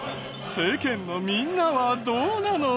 世間のみんなはどうなの？